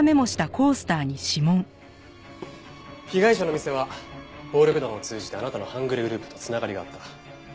被害者の店は暴力団を通じてあなたの半グレグループと繋がりがあった。